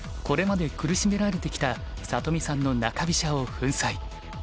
これまで苦しめられてきた里見さんの中飛車を粉砕。